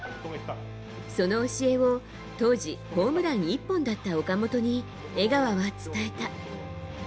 その教えを当時ホームラン１本だった岡本に江川は伝えた。